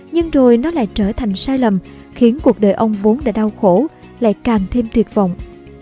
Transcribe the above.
nhưng rồi nó lại trở thành sai lầm khiến cuộc đời ông vốn đã đau khổ lại càng thêm triệt vọng